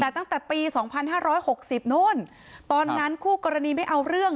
แต่ตั้งแต่ปีสองพันห้าร้อยหกสิบนู่นตอนนั้นคู่กรณีไม่เอาเรื่อง